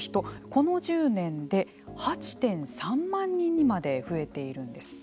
この１０年で８．３万人にまで増えているんです。